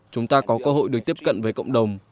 chúng ta có cơ hội được tiếp cận với cộng đồng